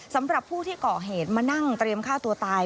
สำหรับผู้ที่ก่อเหตุมานั่งเตรียมฆ่าตัวตาย